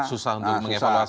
susah untuk mengevaluasi